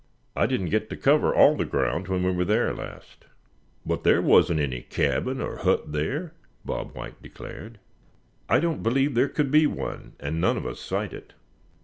I didn't get to cover all the ground when we were there last." "But there wasn't any cabin or hut there?" Bob White declared. "I don't believe there could be one, and none of us sight it.